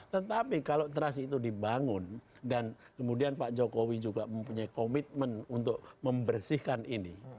tetapi kalau trust itu dibangun dan kemudian pak jokowi juga mempunyai komitmen untuk membersihkan ini